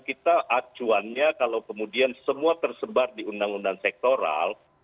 kita acuannya kalau kemudian semua tersebar di undang undang sektoral